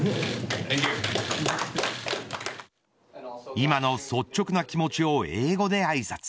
今の率直な気持ちを英語であいさつ。